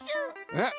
えっ？